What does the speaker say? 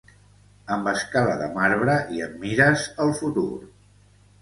Amb escala de marbre i amb mires al futur